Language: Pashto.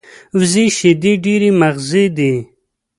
وزې شیدې ډېرې مغذي دي